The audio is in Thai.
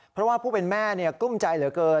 เพราะว่าผู้เป็นแม่กลุ้มใจเหลือเกิน